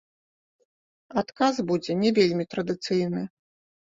Адказ будзе не вельмі традыцыйны.